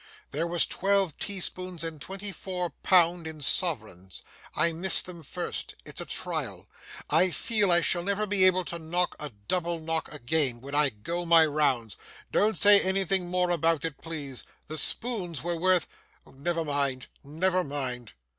There was twelve teaspoons and twenty four pound in sovereigns I missed them first it's a trial I feel I shall never be able to knock a double knock again, when I go my rounds don't say anything more about it, please the spoons were worth never mind never mind!